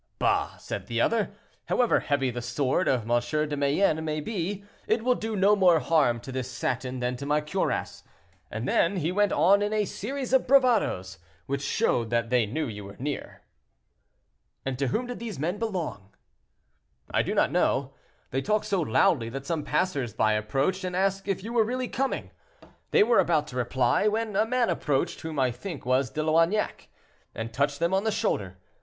'Bah!' said the other; 'however heavy the sword of M. de Mayenne may be, it will do no more harm to this satin than to my cuirass,' and then he went on in a series of bravadoes, which showed that they knew you were near." "And to whom did these men belong?" "I do not know; they talked so loudly that some passers by approached, and asked if you were really coming. They were about to reply, when a man approached, whom I think was De Loignac, and touched them on the shoulder.